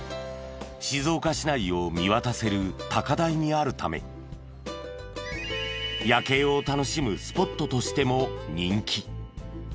静岡市内を見渡せる高台にあるため夜景を楽しむスポットとしても人気。